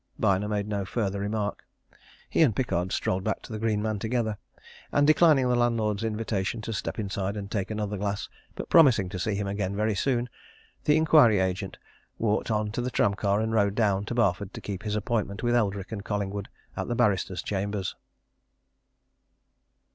Byner made no further remark. He and Pickard strolled back to the Green Man together. And declining the landlord's invitation to step inside and take another glass, but promising to see him again very soon, the inquiry agent walked on to the tram car and rode down to Barford to keep his appointment with Eldrick and Collingwood at the barrister's chambers.